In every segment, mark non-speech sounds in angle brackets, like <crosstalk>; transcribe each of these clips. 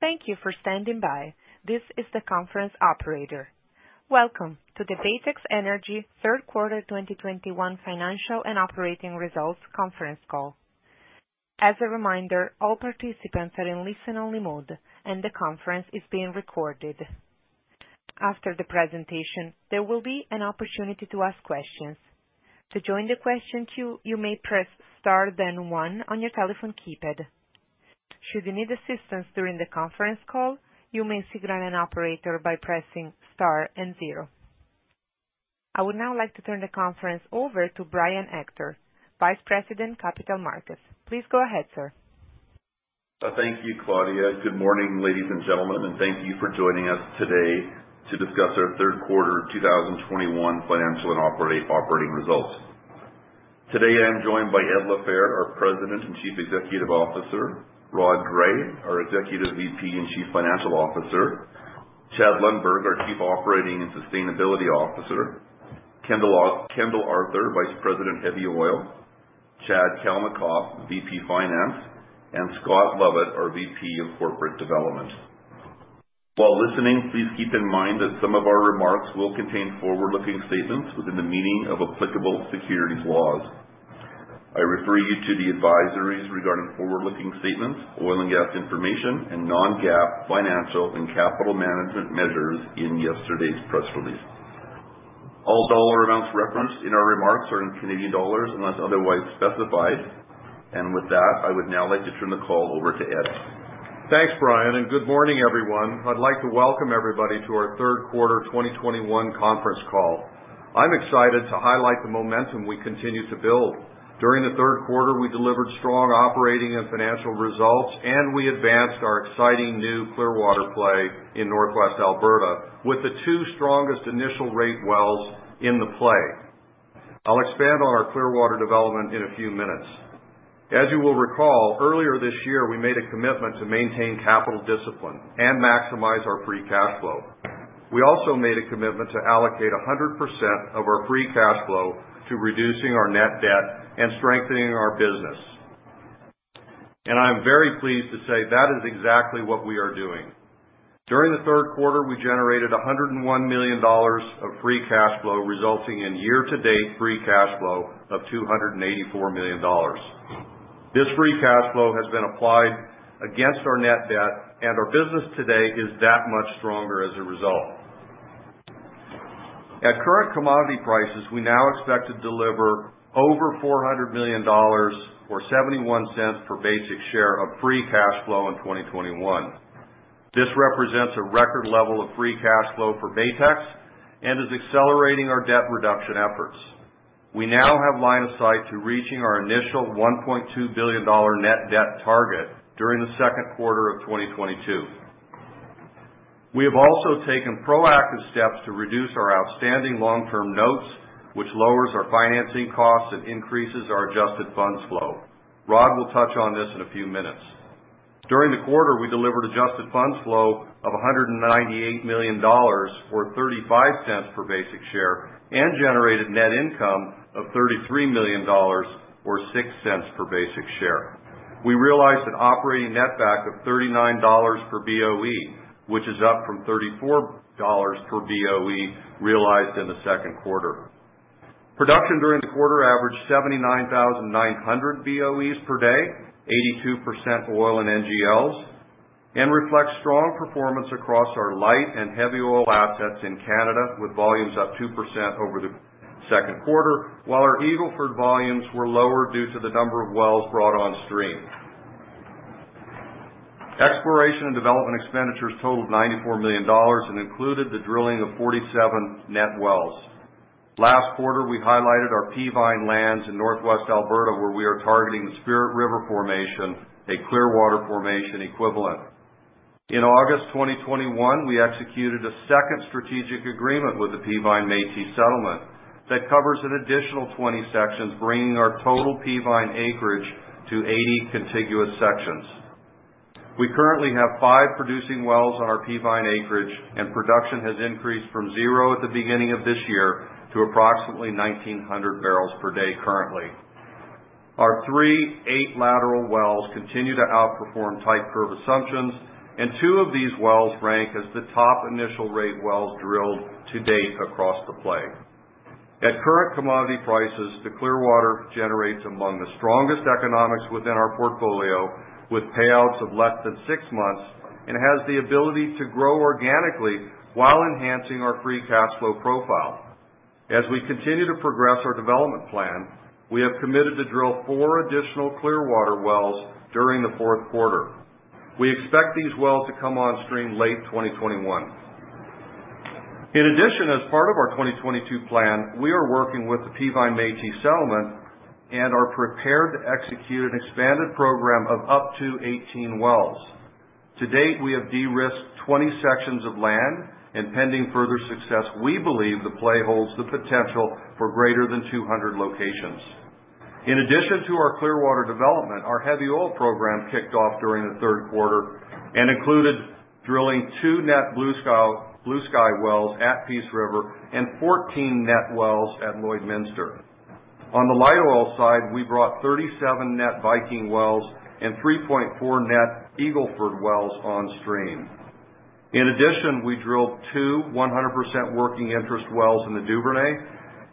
Thank you for standing by. This is the conference operator. Welcome to the Baytex Energy Q3 2021 financial and operating results conference call. As a reminder, all participants are in listen-only mode and the conference is being recorded. After the presentation, there will be an opportunity to ask questions. To join the question queue, you may press Star then One on your telephone keypad. Should you need assistance during the conference call, you may signal an operator by pressing Star and Zero. I would now like to turn the conference over to Brian Ector, Vice President, Capital Markets. Please go ahead, sir. Thank you, Claudia. Good morning, ladies and gentlemen, and thank you for joining us today to discuss our Q3 2021 financial and operating results. Today, I am joined by Ed LaFehr, our President and Chief Executive Officer, Rod Gray, our Executive Vice President and Chief Financial Officer, Chad Lundberg, our Chief Operating and Sustainability Officer, Kendall Arthur, Vice President, Heavy Oil, Chad Kalmakoff, Vice President, Finance, and Scott Lovett, our Vice President of Corporate Development. While listening, please keep in mind that some of our remarks will contain forward-looking statements within the meaning of applicable securities laws. I refer you to the advisories regarding forward-looking statements, oil and gas information, and non-GAAP financial and capital management measures in yesterday's press release. All dollar amounts referenced in our remarks are in Canadian dollars unless otherwise specified. With that, I would now like to turn the call over to Ed. Thanks, Brian, and good morning, everyone. I'd like to welcome everybody to our Q3 2021 conference call. I'm excited to highlight the momentum we continue to build. During the Q3, we delivered strong operating and financial results, and we advanced our exciting new Clearwater play in Northwest Alberta with the two strongest initial rate wells in the play. I'll expand on our Clearwater development in a few minutes. As you will recall, earlier this year, we made a commitment to maintain capital discipline and maximize our free cash flow. We also made a commitment to allocate 100% of our free cash flow to reducing our net debt and strengthening our business. I'm very pleased to say that is exactly what we are doing. During the Q3, we generated 101 million dollars of free cash flow, resulting in year-to-date free cash flow of 284 million dollars. This free cash flow has been applied against our net debt, and our business today is that much stronger as a result. At current commodity prices, we now expect to deliver over 400 million dollars or 0.71 per basic share of free cash flow in 2021. This represents a record level of free cash flow for Baytex and is accelerating our debt reduction efforts. We now have line of sight to reaching our initial 1.2 billion dollar net debt target during the Q2 of 2022. We have also taken proactive steps to reduce our outstanding long-term notes, which lowers our financing costs and increases our adjusted funds flow. Rod will touch on this in a few minutes. During the quarter, we delivered adjusted funds flow of 198 million dollars, or 0.35 per basic share, and generated net income of 33 million dollars or 0.06 per basic share. We realized an operating netback of 39 dollars per BOE, which is up from 34 dollars per BOE realized in the Q2. Production during the quarter averaged 79,900 BOEs per day, 82% oil and NGLs, and reflects strong performance across our light and heavy oil assets in Canada, with volumes up 2% over the Q2, while our Eagle Ford volumes were lower due to the number of wells brought on stream. Exploration and development expenditures totaled 94 million dollars and included the drilling of 47 net wells. Last quarter, we highlighted our Peavine lands in northwest Alberta, where we are targeting the Spirit River formation, a Clearwater formation equivalent. In August 2021, we executed a second strategic agreement with the Peavine Métis Settlement that covers an additional 20 sections, bringing our total Peavine acreage to 80 contiguous sections. We currently have five producing wells on our Peavine acreage, and production has increased from zero at the beginning of this year to approximately 1,900 barrels per day currently. Our three, eight-lateral wells continue to outperform type curve assumptions, and two of these wells rank as the top initial rate wells drilled to date across the play. At current commodity prices, the Clearwater generates among the strongest economics within our portfolio, with payouts of less than six months, and has the ability to grow organically while enhancing our free cash flow profile. As we continue to progress our development plan, we have committed to drill four additional Clearwater wells during the Q4. We expect these wells to come on stream late 2021. In addition, as part of our 2022 plan, we are working with the Peavine Métis Settlement and are prepared to execute an expanded program of up to 18 wells. To date, we have de-risked 20 sections of land, and pending further success, we believe the play holds the potential for greater than 200 locations. In addition to our Clearwater development, our heavy oil program kicked off during the Q3 and included drilling two net Blue Sky wells at Peace River and 14 net wells at Lloydminster. On the light oil side, we brought 37 net Viking wells and 3.4 net Eagle Ford wells on stream. In addition, we drilled two 100% working interest wells in the Duvernay,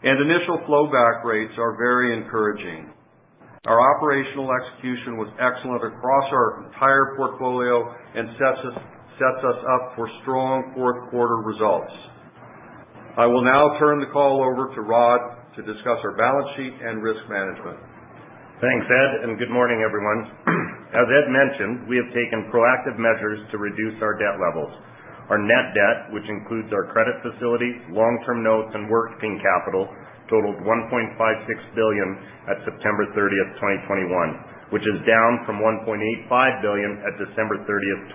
and initial flow back rates are very encouraging. Our operational execution was excellent across our entire portfolio and sets us up for strong Q4 results. I will now turn the call over to Rod to discuss our balance sheet and risk management. Thanks, Ed, and good morning, everyone. As Ed mentioned, we have taken proactive measures to reduce our debt levels. Our net debt, which includes our credit facilities, long-term notes and working capital, totaled 1.56 billion at 30 September, 2021, which is down from 1.85 billion at 30 December, 2020.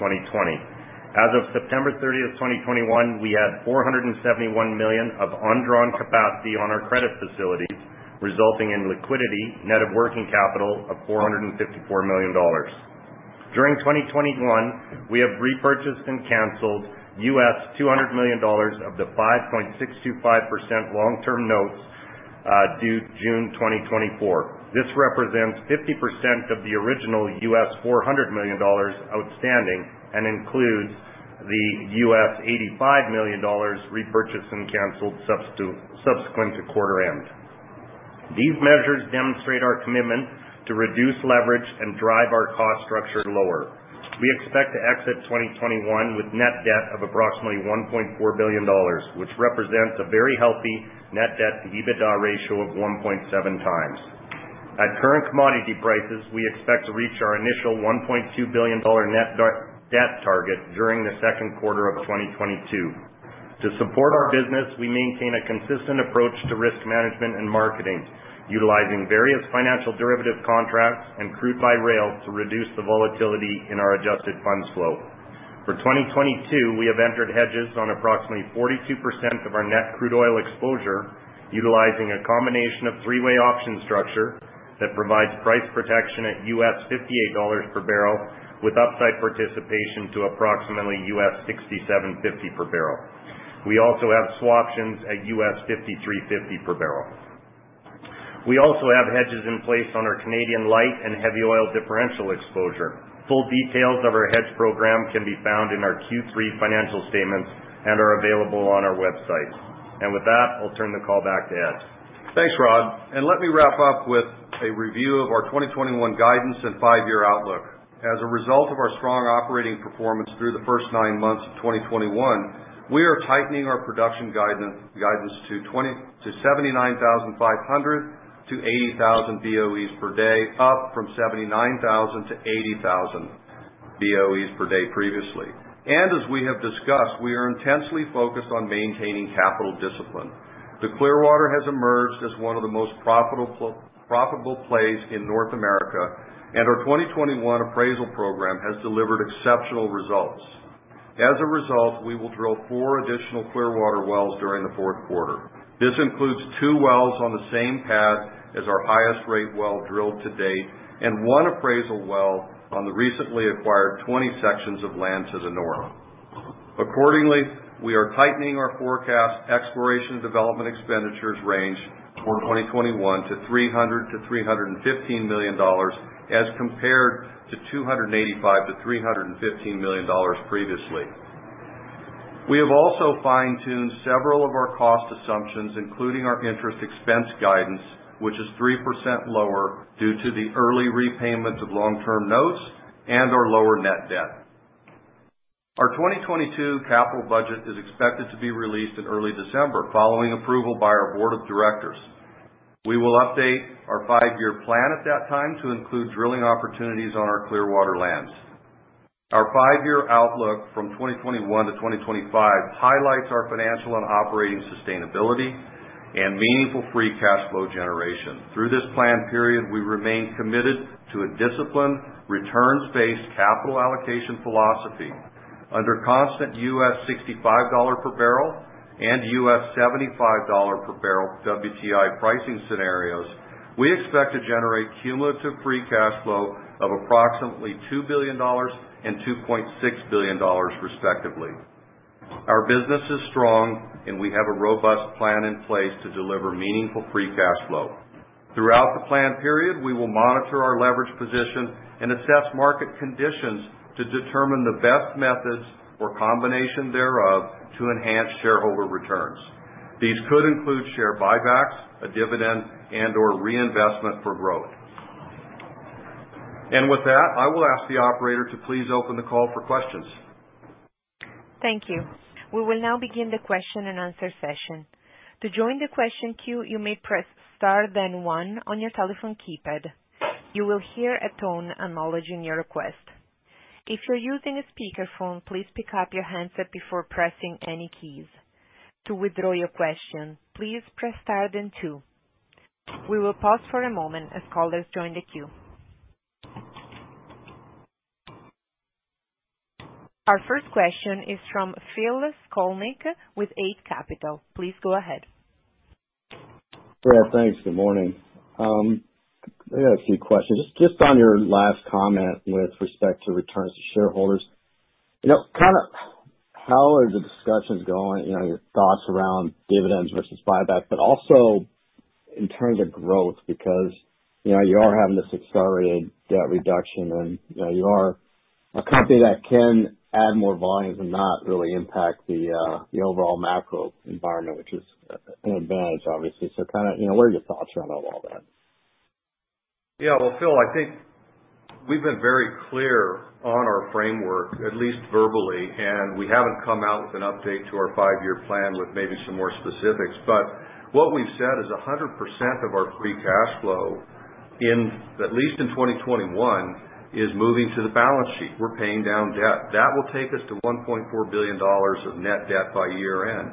As of 30 September, 2021, we had 471 million of undrawn capacity on our credit facilities, resulting in liquidity net of working capital of 454 million dollars. During 2021, we have repurchased and canceled $200 million of the 5.625% long-term notes due June 2024. This represents 50% of the original $400 million outstanding and includes the $85 million repurchased and canceled subsequent to quarter end. These measures demonstrate our commitment to reduce leverage and drive our cost structure lower. We expect to exit 2021 with net debt of approximately 1.4 billion dollars, which represents a very healthy net debt to EBITDA ratio of 1.7x. At current commodity prices, we expect to reach our initial 1.2 billion dollar net debt target during the Q2 of 2022. To support our business, we maintain a consistent approach to risk management and marketing, utilizing various financial derivative contracts and crude by rail to reduce the volatility in our adjusted funds flow. For 2022, we have entered hedges on approximately 42% of our net crude oil exposure, utilizing a combination of three-way option structure that provides price protection at $58 per barrel, with upside participation to approximately $67.50 per barrel. We also have swaptions at $53.50 per barrel. We also have hedges in place on our Canadian light and heavy oil differential exposure. Full details of our hedge program can be found in our Q3 financial statements and are available on our website. With that, I'll turn the call back to Ed. Thanks, Rod. Let me wrap up with a review of our 2021 guidance and five year outlook. As a result of our strong operating performance through the first 9 months of 2021, we are tightening our production guidance to 79,500 to 80,000 BOEs per day, up from 79,000 to 80,000 BOEs per day previously. As we have discussed, we are intensely focused on maintaining capital discipline. The Clearwater has emerged as one of the most profitable plays in North America, and our 2021 appraisal program has delivered exceptional results. As a result, we will drill four additional Clearwater wells during the fourth quarter. This includes two wells on the same pad as our highest rate well drilled to date, and one appraisal well on the recently acquired 20 sections of land to the north. Accordingly, we are tightening our forecast exploration development expenditures range for 2021 to 300 million to 315 million dollars, as compared to 285 million to 315 million dollars previously. We have also fine-tuned several of our cost assumptions, including our interest expense guidance, which is 3% lower due to the early repayment of long-term notes and our lower net debt. Our 2022 capital budget is expected to be released in early December following approval by our board of directors. We will update our five-year plan at that time to include drilling opportunities on our Clearwater lands. Our five-year outlook from 2021 to 2025 highlights our financial and operating sustainability and meaningful free cash flow generation. Through this plan period, we remain committed to a disciplined, returns-based capital allocation philosophy. Under constant $65 per barrel and $75 per barrel WTI pricing scenarios, we expect to generate cumulative free cash flow of approximately $2 billion and $2.6 billion, respectively. Our business is strong, and we have a robust plan in place to deliver meaningful free cash flow. Throughout the plan period, we will monitor our leverage position and assess market conditions to determine the best methods or combination thereof to enhance shareholder returns. These could include share buybacks, a dividend, and/or reinvestment for growth. With that, I will ask the operator to please open the call for questions. Thank you. We will now begin the question and answer session. To join the question queue, you may press star then one on your telephone keypad. You will hear a tone acknowledging your request. If you're using a speakerphone, please pick up your handset before pressing any keys. To withdraw your question, please press star then two. We will pause for a moment as callers join the queue. Our first question is from Phil Skolnick with Eight Capital. Please go ahead. Yeah, thanks. Good morning. I got a few questions. Just on your last comment with respect to returns to shareholders, you know, kind of how are the discussions going, you know, your thoughts around dividends versus buybacks, but also in terms of growth, because, you know, you are having this accelerated debt reduction and, you know, you are a company that can add more volumes and not really impact the overall macro environment, which is an advantage, obviously. So kind of, you know, what are your thoughts around all that? Yeah. Well, Phil, I think we've been very clear on our framework, at least verbally, and we haven't come out with an update to our five-year plan with maybe some more specifics. What we've said is 100% of our free cash flow in, at least in 2021, is moving to the balance sheet. We're paying down debt. That will take us to 1.4 billion dollars of net debt by year end.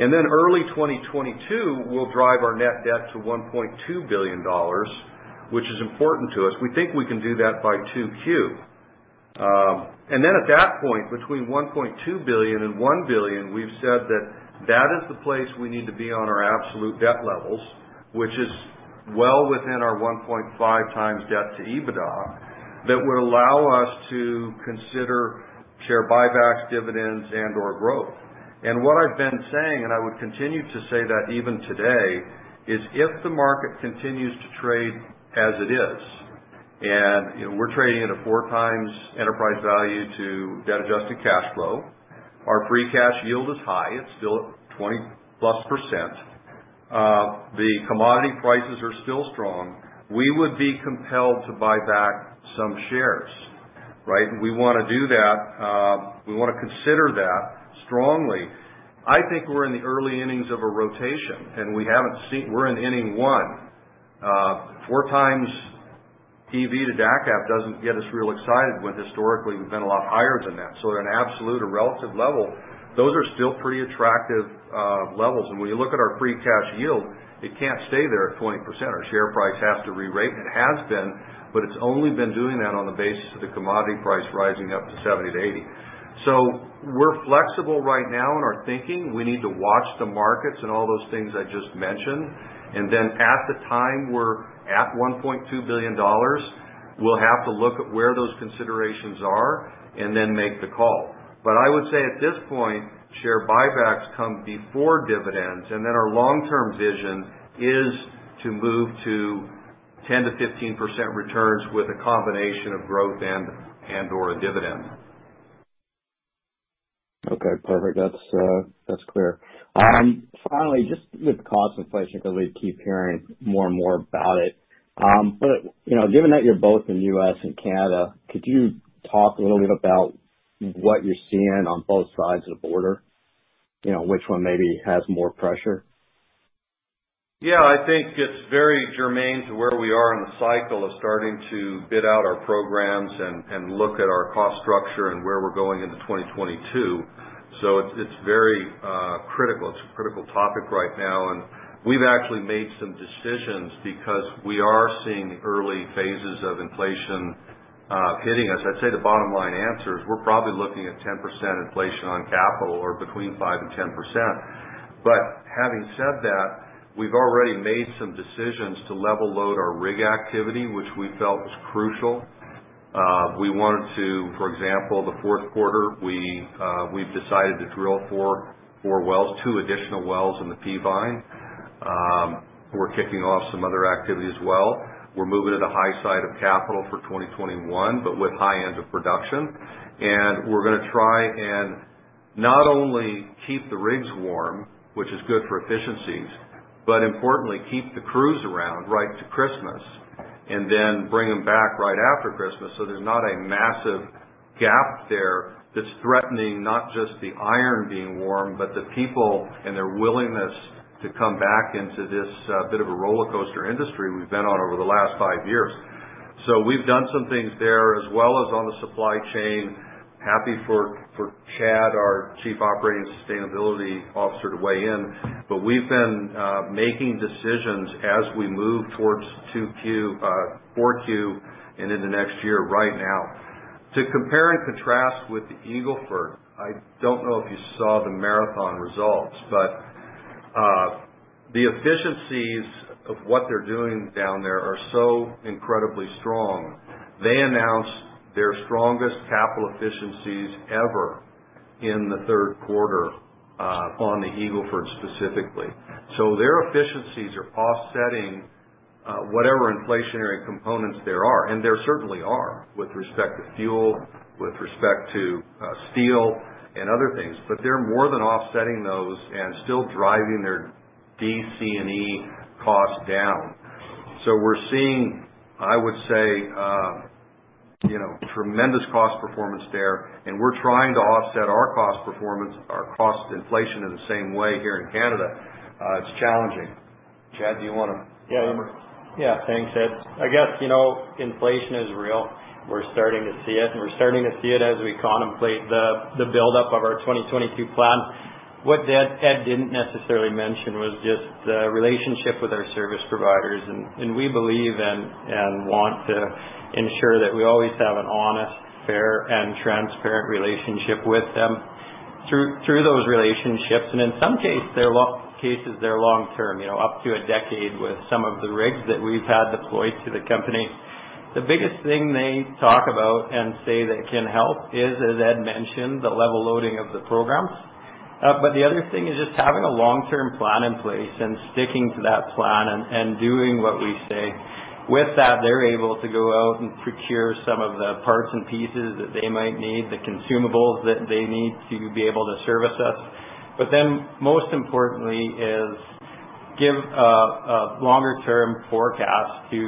Early 2022, we'll drive our net debt to 1.2 billion dollars, which is important to us. We think we can do that by Q2. At that point, between 1.2 billion and 1 billion, we've said that is the place we need to be on our absolute debt levels, which is well within our 1.5x debt to EBITDA. That would allow us to consider share buybacks, dividends and/or growth. What I've been saying, and I would continue to say that even today, is if the market continues to trade as it is, and, you know, we're trading at a 4x enterprise value to debt-adjusted cash flow, our free cash yield is high, it's still at 20%+. The commodity prices are still strong. We would be compelled to buy back some shares, right? We wanna do that. We wanna consider that strongly. I think we're in the early innings of a rotation, we're in inning one. 4x EV to DACF doesn't get us real excited when historically we've been a lot higher than that. At an absolute or relative level, those are still pretty attractive levels. When you look at our free cash yield, it can't stay there at 20%. Our share price has to re-rate. It has been, but it's only been doing that on the basis of the commodity price rising up to $70 to $80. We're flexible right now in our thinking. We need to watch the markets and all those things I just mentioned. At the time we're at 1.2 billion dollars, we'll have to look at where those considerations are and then make the call. I would say at this point, share buybacks come before dividends, and then our long-term vision is to move to 10% to 15% returns with a combination of growth and/or a dividend. Okay, perfect. That's clear. Finally, just with cost inflation, because we keep hearing more and more about it. You know, given that you're both in the US and Canada, could you talk a little bit about what you're seeing on both sides of the border? You know, which one maybe has more pressure? Yeah, I think it's very germane to where we are in the cycle of starting to bid out our programs and look at our cost structure and where we're going into 2022. It's very critical. It's a critical topic right now, and we've actually made some decisions because we are seeing the early phases of inflation hitting us. I'd say the bottom line answer is we're probably looking at 10% inflation on capital or between 5% to 10%. Having said that, we've already made some decisions to level load our rig activity, which we felt was crucial. For example, in the Q4, we've decided to drill four wells, two additional wells in the Peavine. We're kicking off some other activity as well. We're moving to the high side of capital for 2021, but with high ends of production. We're gonna try and not only keep the rigs warm, which is good for efficiencies, but importantly, keep the crews around right to Christmas and then bring them back right after Christmas, so there's not a massive gap there that's threatening not just the iron being warm, but the people and their willingness to come back into this bit of a rollercoaster industry we've been on over the last five years. We've done some things there as well as on the supply chain. Happy for Chad Lundberg, our Chief Operating and Sustainability Officer, to weigh in, but we've been making decisions as we move towards Q2, Q4 and into next year right now. To compare and contrast with the Eagle Ford, I don't know if you saw the Marathon results, but the efficiencies of what they're doing down there are so incredibly strong. They announced their strongest capital efficiencies ever in the Q3 on the Eagle Ford specifically. So their efficiencies are offsetting whatever inflationary components there are, and there certainly are with respect to fuel, with respect to steel and other things. But they're more than offsetting those and still driving their DC&E costs down. So we're seeing, I would say, you know, tremendous cost performance there, and we're trying to offset our cost performance, our cost inflation in the same way here in Canada. It's challenging. Chad, do you wanna comment? Yeah, thanks, Ed. I guess, you know, inflation is real. We're starting to see it, and we're starting to see it as we contemplate the buildup of our 2022 plan. What Ed didn't necessarily mention was just the relationship with our service providers. We believe and want to ensure that we always have an honest, fair, and transparent relationship with them through those relationships. In some cases, they're long term, you know, up to a decade with some of the rigs that we've had deployed to the company. The biggest thing they talk about and say that can help is, as Ed mentioned, the level loading of the programs. The other thing is just having a long-term plan in place and sticking to that plan and doing what we say. With that, they're able to go out and procure some of the parts and pieces that they might need, the consumables that they need to be able to service us. Then most importantly is give a longer term forecast to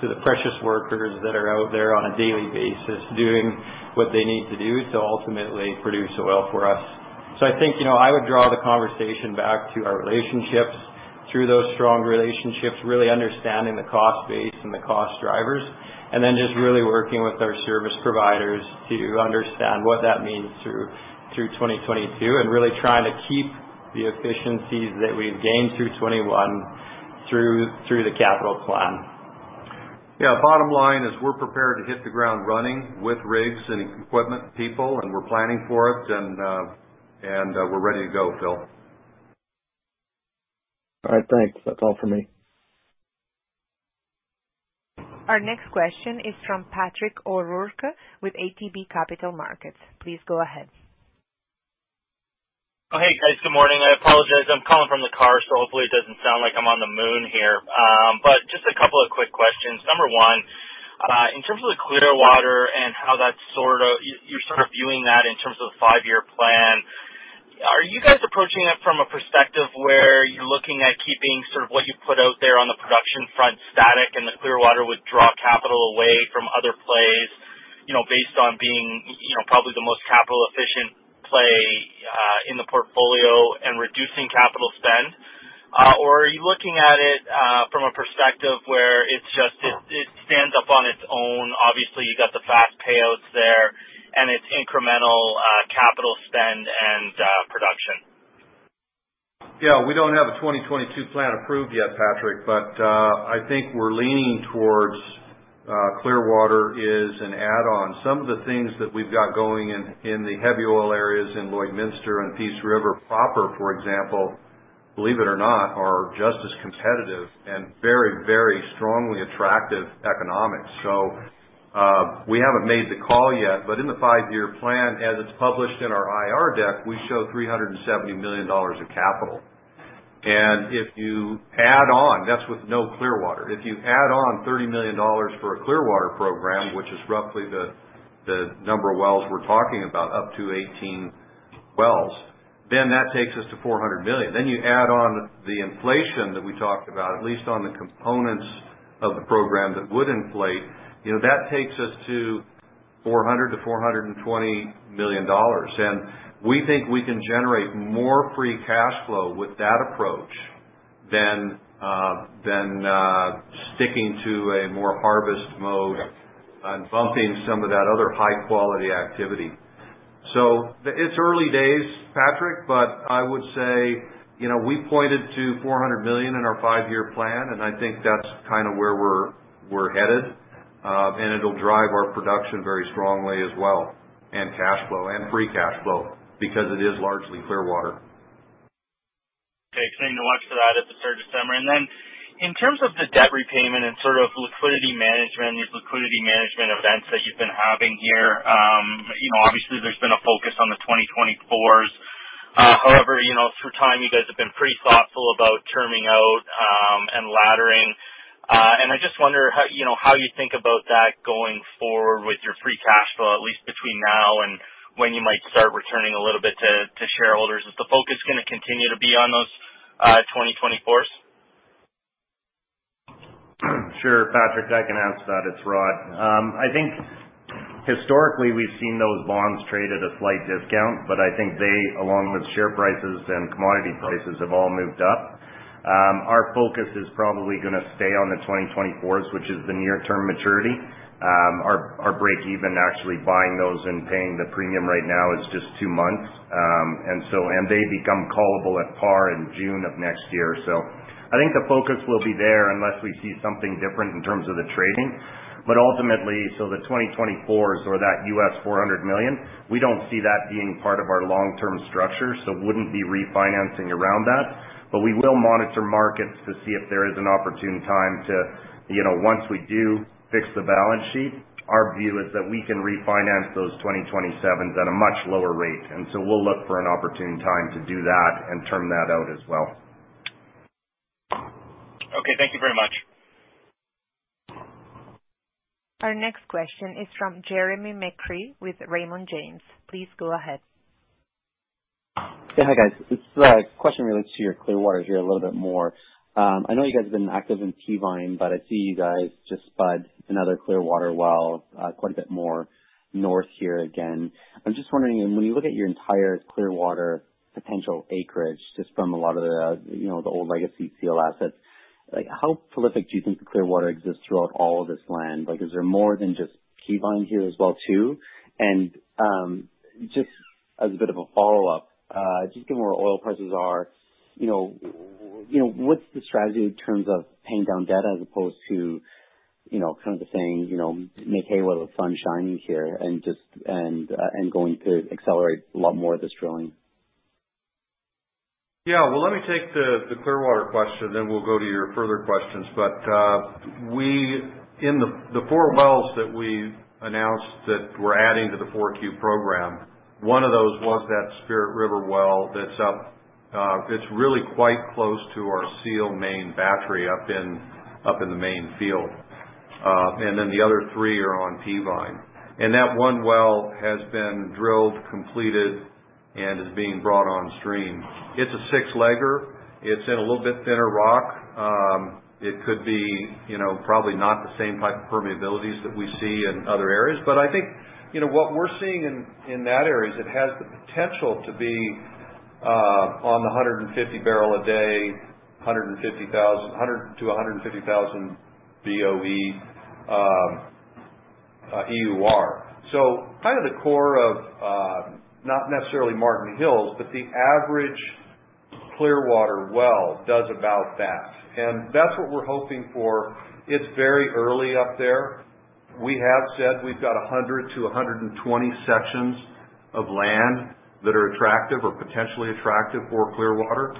the precious workers that are out there on a daily basis doing what they need to do to ultimately produce oil for us. I think, you know, I would draw the conversation back to our relationships. Through those strong relationships, really understanding the cost base and the cost drivers, and then just really working with our service providers to understand what that means through 2022 and really trying to keep the efficiencies that we've gained through 2021 through the capital plan. Yeah. Bottom line is we're prepared to hit the ground running with rigs and equipment people, and we're planning for it. We're ready to go, Phil. All right, thanks. That's all for me. Our next question is from Patrick O'Rourke with ATB Capital Markets. Please go ahead. Oh, hey, guys. Good morning. I apologize. I'm calling from the car, so hopefully it doesn't sound like I'm on the moon here. Just a couple of quick questions. Number one, in terms of the Clearwater and how that's sort of, you're sort of viewing that in terms of five-year plan, are you guys approaching it from a perspective where you're looking at keeping sort of what you put out there on the production front static, and the Clearwater would draw capital away from other plays, you know, based on being, you know, probably the most capital efficient play in the portfolio and reducing capital spend? Or are you looking at it from a perspective where it's just it stands up on its own? Obviously you've got the fast payouts there and it's incremental capital spend and production. Yeah. We don't have a 2022 plan approved yet, Patrick, but I think we're leaning towards Clearwater is an add-on. Some of the things that we've got going in the heavy oil areas in Lloydminster and Peace River proper, for example, believe it or not, are just as competitive and very, very strongly attractive economics. We haven't made the call yet, but in the five-year plan, as it's published in our IR deck, we show 370 million dollars of capital. If you add on, that's with no Clearwater. If you add on 30 million dollars for a Clearwater program, which is roughly the number of wells we're talking about, up to 18 wells, then that takes us to 400 million. You add on the inflation that we talked about, at least on the components of the program that would inflate, you know, that takes us to 400 million to 420 million dollars. We think we can generate more free cash flow with that approach than sticking to a more harvest mode and bumping some of that other high quality activity. It's early days, Patrick, but I would say, you know, we pointed to 400 million in our five-year plan, and I think that's kind of where we're headed. It'll drive our production very strongly as well, and cash flow and free cash flow because it is largely Clearwater. Okay. Something to watch for that at the third December. In terms of the debt repayment and sort of liquidity management and these liquidity management events that you've been having here, you know, obviously there's been a focus on the 2024. However, you know, through time you guys have been pretty thoughtful about terming out and laddering. I just wonder how you think about that going forward with your free cash flow, at least between now and when you might start returning a little bit to shareholders. Is the focus gonna continue to be on those 2024? Sure, Patrick, I can answer that. It's Rod. I think historically we've seen those bonds trade at a slight discount, but I think they, along with share prices and commodity prices, have all moved up. Our focus is probably gonna stay on the 2024, which is the near-term maturity. Our break even actually buying those and paying the premium right now is just two months. They become callable at par in June of next year. I think the focus will be there unless we see something different in terms of the trading. Ultimately, the 2024 or that $400 million, we don't see that being part of our long-term structure, so wouldn't be refinancing around that. We will monitor markets to see if there is an opportune time to, you know, once we do fix the balance sheet, our view is that we can refinance those 2027 at a much lower rate. We'll look for an opportune time to do that and term that out as well. Okay, thank you very much. Our next question is from Jeremy McCrea with Raymond James. Please go ahead. Yeah. Hi, guys. This question relates to your Clearwater here a little bit more. I know you guys have been active in Peavine, but I see you guys just spud another Clearwater well, quite a bit more north here again. I'm just wondering, when you look at your entire Clearwater potential acreage, just from a lot of the, you know, the old legacy CLO assets, like, how prolific do you think the Clearwater exists throughout all of this land? Like, is there more than just Peavine here as well too? Just as a bit of a follow-up, just given where oil prices are, you know, what's the strategy in terms of paying down debt as opposed to, you know, kind of saying, you know, make hay while the sun's shining here and going to accelerate a lot more of this drilling? Yeah. Well, let me take the Clearwater question, then we'll go to your further questions. In the four wells that we announced that we're adding to the Q4 program, one of those was that Spirit River well that's up, that's really quite close to our Seal main battery up in the main field. The other three are on Peavine. That one well has been drilled, completed, and is being brought on stream. It's a six legger. It's in a little bit thinner rock. It could be, you know, probably not the same type of permeabilities that we see in other areas. I think, you know, what we're seeing in that area is it has the potential to be on the 150 barrel a day, 100,000 to 150,000 BOE EUR. Kind of the core of not necessarily Marten Hills, but the average Clearwater well does about that. That's what we're hoping for. It's very early up there. We have said we've got 100 to 120 sections of land that are attractive or potentially attractive for Clearwater.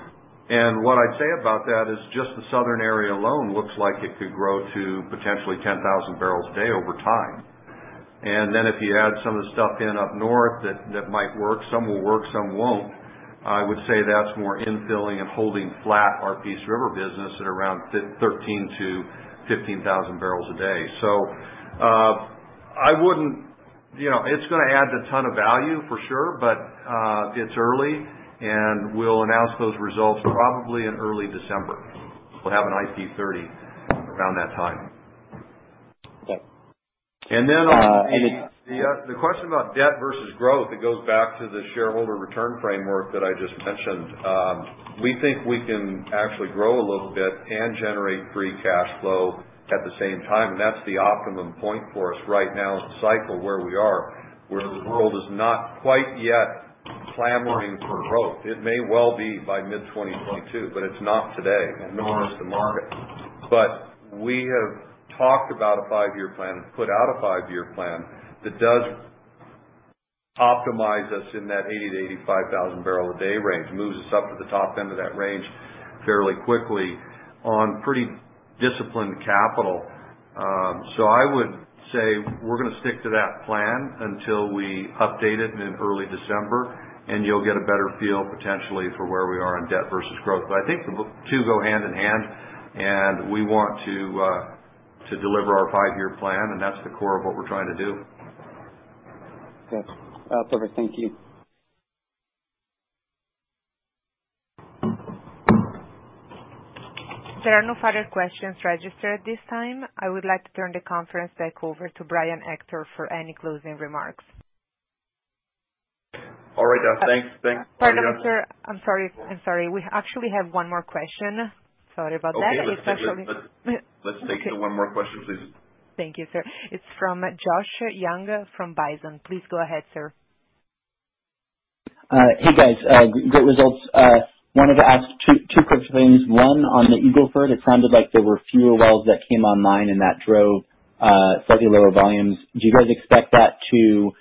What I'd say about that is just the southern area alone looks like it could grow to potentially 10,000 barrels a day over time. If you add some of the stuff in up north that might work, some will work, some won't, I would say that's more infilling and holding flat our Peace River business at around 13,000 to 15,000 barrels a day. I wouldn't. You know, it's gonna add a ton of value for sure, but it's early, and we'll announce those results probably in early December. We'll have an IP30 around that time. Yes. And then on <crosstalk> The question about debt versus growth, it goes back to the shareholder return framework that I just mentioned. We think we can actually grow a little bit and generate free cash flow at the same time, and that's the optimum point for us right now in the cycle where we are, where the world is not quite yet clamoring for growth. It may well be by mid-2022, but it's not today, nor is the market. We have talked about a five-year plan and put out a five-year plan that does optimize us in that 80,000 to 85,000 barrel a day range, moves us up to the top end of that range fairly quickly on pretty disciplined capital. I would say we're gonna stick to that plan until we update it in early December, and you'll get a better feel potentially for where we are on debt versus growth. I think the two go hand in hand, and we want to deliver our five-year plan, and that's the core of what we're trying to do. Yes. That's all for me. Thank you. There are no further questions registered at this time. I would like to turn the conference back over to Brian Ector for any closing remarks. All right. Thanks. Thanks, Claudia. Pardon, sir. I'm sorry. We actually have one more question. Sorry about that. Okay. It's actually. Let's take one more question, please. Thank you, sir. It's from Josh Young from Bison. Please go ahead, sir. Hey, guys. Great results. Wanted to ask two quick things. One, on the Eagle Ford, it sounded like there were fewer wells that came online and that drove slightly lower volumes. Do you guys expect there to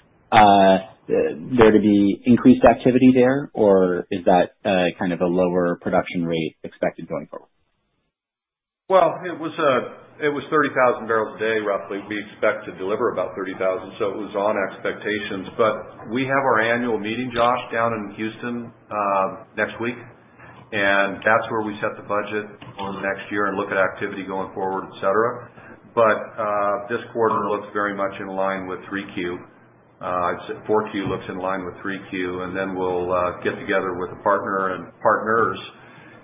be increased activity there, or is that kind of a lower production rate expected going forward? Well, it was 30,000 barrels a day, roughly. We expect to deliver about 30,000, so it was on expectations. We have our annual meeting, Josh, down in Houston, next week, and that's where we set the budget for next year and look at activity going forward, et cetera. This quarter looks very much in line with Q3. Q4 looks in line with Q3, and then we'll get together with a partner and partners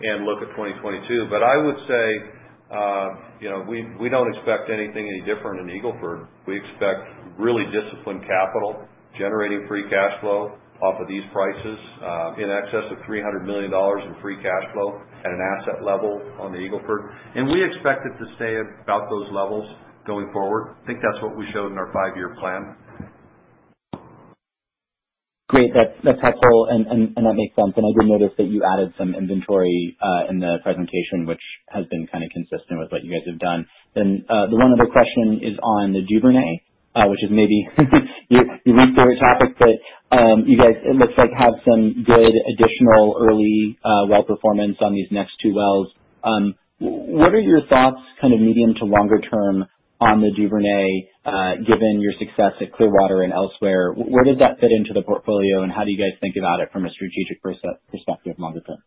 and look at 2022. I would say, you know, we don't expect anything any different in Eagle Ford. We expect really disciplined capital generating free cash flow off of these prices, in excess of $300 million in free cash flow at an asset level on the Eagle Ford. We expect it to stay about those levels going forward. I think that's what we showed in our five-year plan. Great. That's helpful and that makes sense. I did notice that you added some inventory in the presentation, which has been kinda consistent with what you guys have done. The one other question is on the Duvernay, which is maybe your least favorite topic, but you guys it looks like have some good additional early well performance on these next two wells. What are your thoughts, kind of medium to longer term on the Duvernay, given your success at Clearwater and elsewhere? Where does that fit into the portfolio, and how do you guys think about it from a strategic perspective longer term?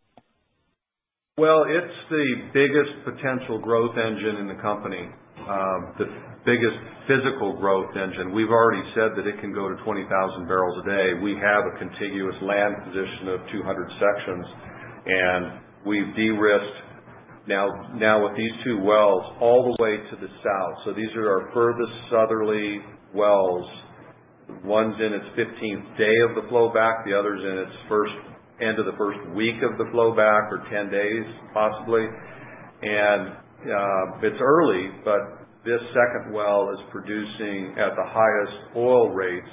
Well, it's the biggest potential growth engine in the company, the biggest physical growth engine. We've already said that it can go to 20,000 barrels a day. We have a contiguous land position of 200 sections, and we've de-risked now with these two wells all the way to the south. These are our furthest southerly wells. One's in its 15th day of the flow back, the other's in its end of the first week of the flow back or 10 days, possibly. It's early, but this second well is producing at the highest oil rates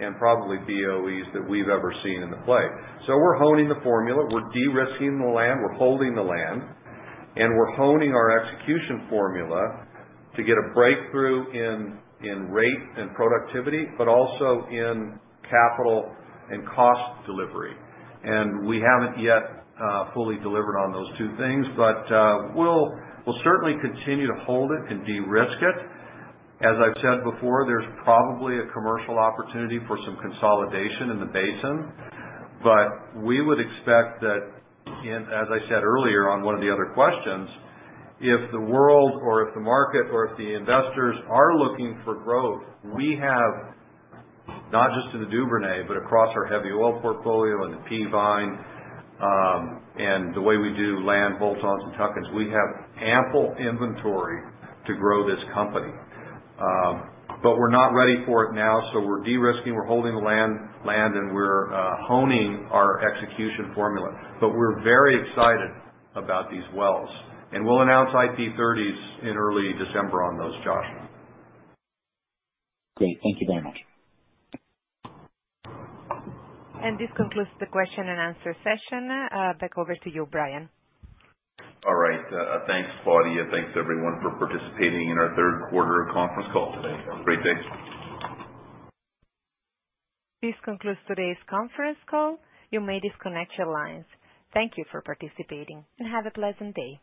and probably BOEs that we've ever seen in the play. We're honing the formula. We're de-risking the land. We're holding the land, and we're honing our execution formula to get a breakthrough in rate and productivity, but also in capital and cost delivery. We haven't yet fully delivered on those two things. We'll certainly continue to hold it and de-risk it. As I've said before, there's probably a commercial opportunity for some consolidation in the basin. We would expect that in, as I said earlier on one of the other questions, if the world or if the market or if the investors are looking for growth, we have, not just in the Duvernay, but across our heavy oil portfolio and the Peavine, and the way we do land bolt-on and tuck-in, we have ample inventory to grow this company. We're not ready for it now, so we're de-risking, we're holding the land, and we're honing our execution formula. We're very excited about these wells. We'll announce IP30s in early December on those, Josh. Great. Thank you very much. This concludes the question and answer session. Back over to you, Brian. All right. Thanks, Claudia. Thanks, everyone, for participating in our Q3 conference call today. Have a great day. This concludes today's conference call. You may disconnect your lines. Thank you for participating, and have a pleasant day.